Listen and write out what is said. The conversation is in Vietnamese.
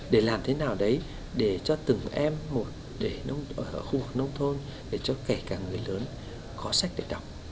để làm thế nào đấy để cho từng em một khu vực nông thôn để cho kể cả người lớn có sách để đọc